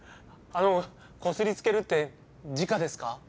あのこすりつけるってじかですか？